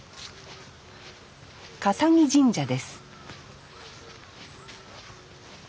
笠置神社です